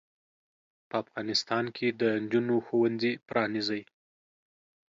په افغانستان کې د انجونو ښوونځې پرانځئ.